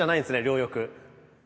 両翼。